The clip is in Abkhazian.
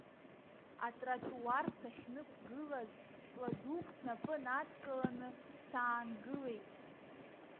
Атротуар сахьнықәгылаз, ҵла дук снапы надкыланы саангылеит.